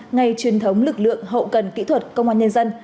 ngày truyền thống lực lượng hậu cần kỹ thuật công an nhân dân